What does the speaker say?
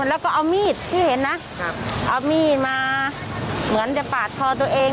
แล้วก็เอามีดที่เห็นนะครับเอามีดมาเหมือนจะปาดคอตัวเอง